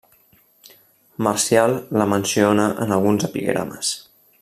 Marcial la menciona en alguns epigrames.